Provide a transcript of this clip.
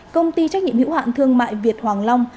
công ty trách nhiệm hữu hạn thương mại việt hoàng long